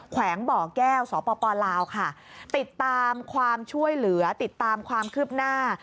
แขวงบ่อแก้วสปลาวค่ะติดตามความช่วยเหลือติดตามความคืบหน้า